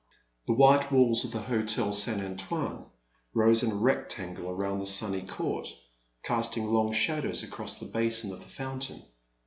The white walls of the Hotel St. Antoine rose in a rectangle around the sunny court, casting long shadows across the basin of the fountain.